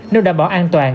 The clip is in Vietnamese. nếu đảm bảo an toàn